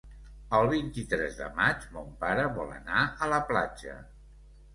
El vint-i-tres de maig mon pare vol anar a la platja.